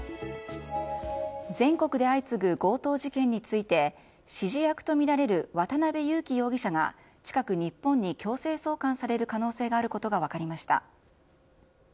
全国で相次ぐ強盗事件について、指示役と見られる渡辺優樹容疑者が、近く日本に強制送還される可能性があることが分かりました。